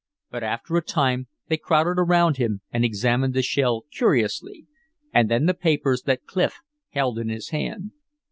But after a time they crowded around him and examined the shell curiously, and then the papers that Clif held in his hand.